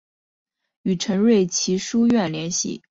与陈瑞祺书院联系。